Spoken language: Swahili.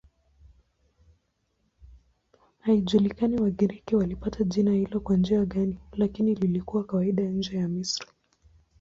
Haijulikani Wagiriki walipata jina hilo kwa njia gani, lakini lilikuwa kawaida nje ya Misri.